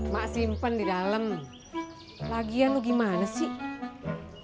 mak simpen di dalam lagian itu gimana sih